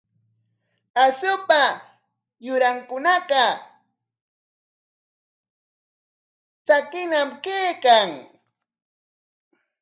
Akshupa yurankunaqa tsakiñam kaykan.